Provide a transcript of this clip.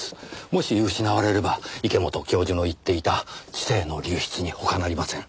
もし失われれば池本教授の言っていた知性の流出に他なりません。